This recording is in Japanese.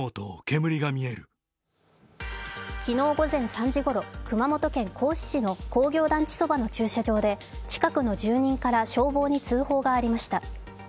昨日午前３時ごろ熊本県合志市の工業団地そばの駐車場で、近くの住人から消防に通報がありました。